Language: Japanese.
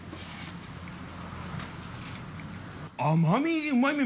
甘みうまみ